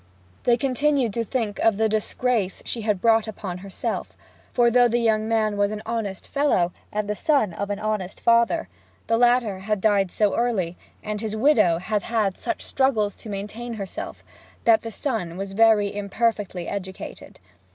They continued to think of the disgrace she had brought upon herself; for, though the young man was an honest fellow, and the son of an honest father, the latter had died so early, and his widow had had such struggles to maintain herself; that the son was very imperfectly educated.